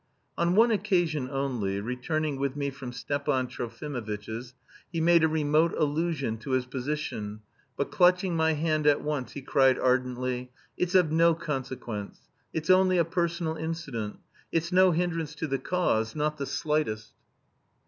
On one occasion only, returning with me from Stepan Trofimovitch's, he made a remote allusion to his position, but clutching my hand at once he cried ardently: "It's of no consequence. It's only a personal incident. It's no hindrance to the 'cause,' not the slightest!"